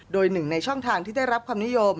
โดยหนึ่งในช่องทางที่ได้รับความนิยม